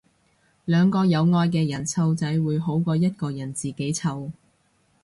兩個有愛嘅人湊仔會好過一個人自己湊